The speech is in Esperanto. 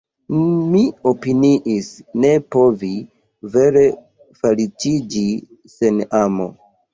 Mi opiniis ne povi vere feliĉiĝi sen amo.